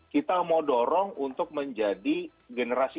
kita mau dorong untuk menjadi generasi